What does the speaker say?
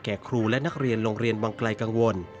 ครูและนักเรียนโรงเรียนวังไกลกังวล